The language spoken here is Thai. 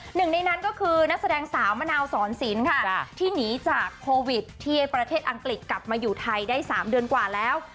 หนึ่งในนั้นก็คือนักแสดงสาวมะนาวสอนศิลป์ค่ะที่หนีจากโควิดที่ประเทศอังกฤษกลับมาอยู่ไทยได้๓เดือนกว่าแล้ว